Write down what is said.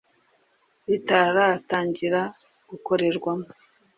ritaratangira gukorerwamo